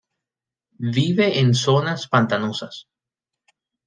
Vive en zonas pantanosas.